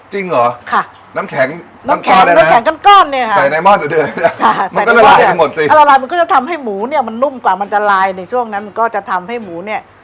ใช่ค่ะแล้วเราก็จะทำให้หมูเนี่ยเนี่ยขนมกว่ามันจะลายในช่วงนั้นก็จะทำให้หมูเนี่ย